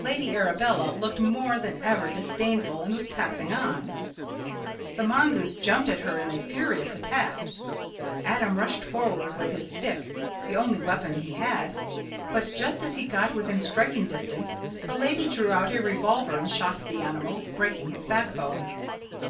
Lady Arabella looked more than ever disdainful and was passing on; the mongoose jumped at her in a furious attack. Adam rushed forward with his stick, the only weapon he had. But just as he got within striking distance, the lady drew out a revolver and shot the animal, breaking his backbone.